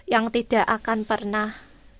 yang tidak akan pernah